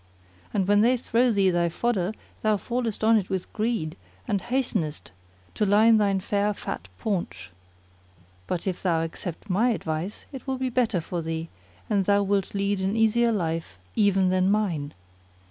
And when they throw thee thy fodder thou fallest on it with greed and hastenest to line thy fair fat paunch. But if thou accept my advice it will be better for thee and thou wilt lead an easier life even than mine.